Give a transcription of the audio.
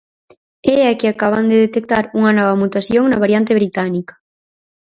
E é que acaban de detectar unha nova mutación na variante británica.